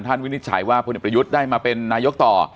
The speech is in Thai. วินิจฉัยว่าพลเอกประยุทธ์ได้มาเป็นนายกต่อ